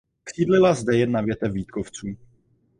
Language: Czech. Sídlila zde jedna větev Vítkovců.